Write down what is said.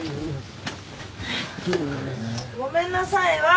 ごめんなさいは？